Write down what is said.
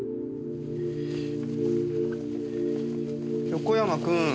横山君。